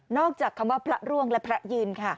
จากคำว่าพระร่วงและพระยืนค่ะ